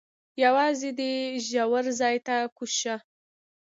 یوازې دې ژور ځای ته کوز شه.